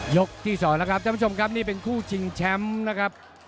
ยกที่สองแล้วครับนี่เป็นคู่ชิงแชมป์นะครับ